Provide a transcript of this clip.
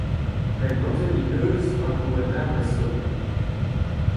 Pellgomzet he deus war-dro un eurvezh zo.